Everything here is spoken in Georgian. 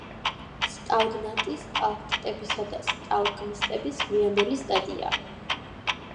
სტალაგნატი სტალაქტიტებისა და სტალაგმიტების გვიანდელი სტადიაა.